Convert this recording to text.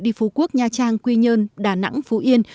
đi phú quốc nha trang quy nhơn đà nẵng phú yên